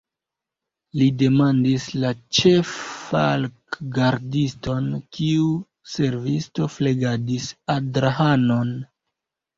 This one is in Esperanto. Li demandis la ĉeffalkgardiston, kiu servisto flegadis Adrahanon.